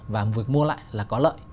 và việc mua lại là có lợi